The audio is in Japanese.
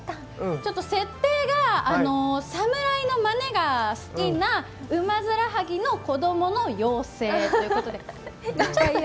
設定が侍のまねが好きなウマヅラハギの子供の妖精ということで。